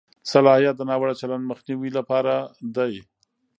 صلاحیت د ناوړه چلند مخنیوي لپاره دی.